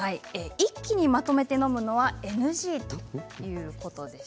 一気にまとめて飲むのはＮＧということです。